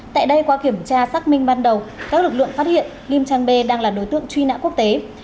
tại đây qua kiểm tra xác minh ban đầu các lực lượng phát hiện lim trang b đang là đối tượng truy nã quốc tế